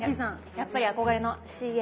やっぱり憧れのＣＡ。